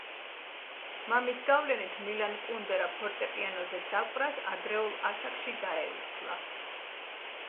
მამის გავლენით მილან კუნდერა ფორტეპიანოზე დაკვრას ადრეულ ასაკში დაეუფლა.